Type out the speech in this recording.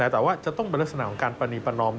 แต่ว่าจะต้องเป็นลักษณะของการปรณีประนอม